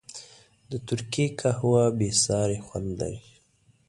د ترکي قهوه بېساری خوند لري.